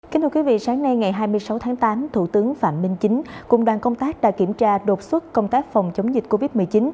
kính thưa quý vị sáng nay ngày hai mươi sáu tháng tám thủ tướng phạm minh chính cùng đoàn công tác đã kiểm tra đột xuất công tác phòng chống dịch covid một mươi chín